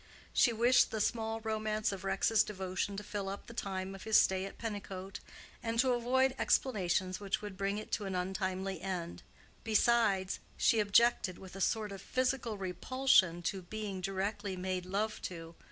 She wished the small romance of Rex's devotion to fill up the time of his stay at Pennicote, and to avoid explanations which would bring it to an untimely end. Besides, she objected, with a sort of physical repulsion, to being directly made love to.